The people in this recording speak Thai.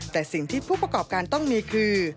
แต่สิ่งที่ผู้ประกอบการต้องมีคือ